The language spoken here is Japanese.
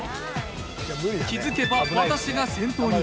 気付けば私が先頭に。